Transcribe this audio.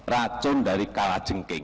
racun dari kalajengking